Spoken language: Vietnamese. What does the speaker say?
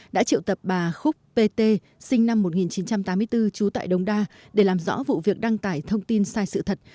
đã triệu tập bà khúc p t sinh năm một nghìn chín trăm tám mươi bốn trú tại đông đa để làm rõ vụ việc đăng tải thông tin sai sự thật